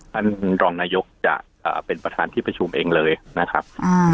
ท่านรองนายกจะเป็นประธานที่ประชุมเองเลยนะครับ